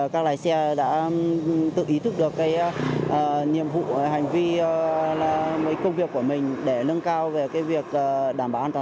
các lái xe đã tự ý thức được nhiệm vụ hành vi công việc của mình để nâng cao về việc đảm bảo an toàn